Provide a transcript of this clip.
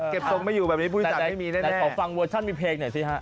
เก็บทรงไม่อยู่แบบนี้พุทธศาสตร์ไม่มีแน่แน่แต่ขอฟังเวอร์ชั่นมีเพลงหน่อยสิฮะ